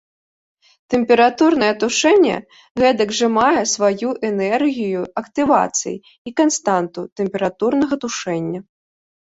Тэмпературнае тушэнне гэтак жа мае сваю энергію актывацыі і канстанту тэмпературнага тушэння.